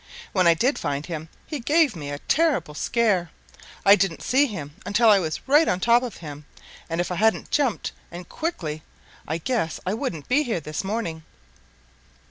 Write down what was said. When I did find him, he gave me a terrible scare. I didn't see him until I was right on top of him, and if I hadn't jumped, and jumped quickly, I guess I wouldn't be here this morning.